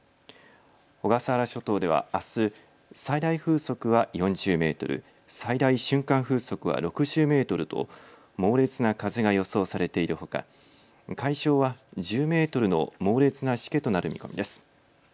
小笠原諸島ではあす、最大風速は４０メートル、最大瞬間風速は６０メートルと猛烈な風が予想されているほか海上は１０メートルの猛烈なしけとなる見込みです。